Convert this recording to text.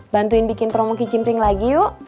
bantuin bikin promo kicim pling lagi yuk